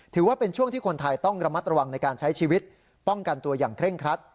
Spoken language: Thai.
ถือว่าเป็นช่วงที่คนไทยต้องระมัดระวังในการใช้ชีวิตป้องกันตัวอย่างเคร่งครัด